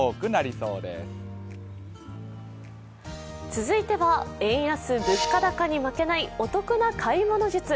続いては円安・物価高に負けないお得な買い物術。